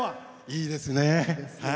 いいですね。